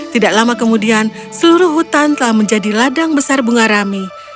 tidak lama kemudian seluruh hutan telah menjadi ladang besar bunga rami